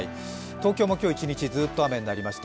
東京も今日一日ずっと雨になりました。